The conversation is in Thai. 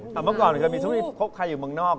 แต่เมื่อก่อนเคยมีสมมุติพบใครอยู่เมืองนอก